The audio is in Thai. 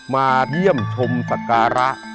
มาเยี่ยมชมสักการะ